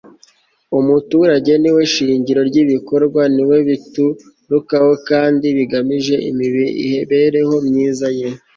umuturage niwe shingiro ry'ibikorwa ni we biturukaho, kandi bigamije imibereho myiza ye